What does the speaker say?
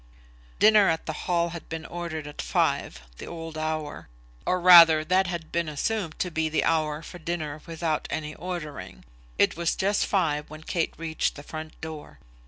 Dinner at the Hall had been ordered at five, the old hour; or rather that had been assumed to be the hour for dinner without any ordering. It was just five when Kate reached the front door.